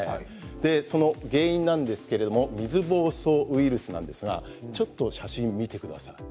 その原因なんですけれど水ぼうそうウイルスなんですが写真を見てください。